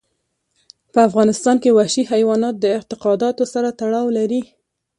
په افغانستان کې وحشي حیوانات د اعتقاداتو سره تړاو لري.